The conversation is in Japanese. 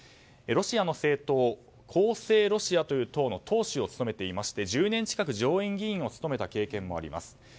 ロシアの政党公正ロシアという党の党首を務めており１０年近く上院議員を務めた経験もあります。